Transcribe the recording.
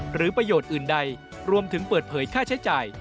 หรือประโยชน์อื่นใดรวมถึงเปิดเผยค่าใช้จ่าย